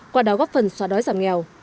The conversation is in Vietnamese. qua đó góp phần xóa đói giảm nghèo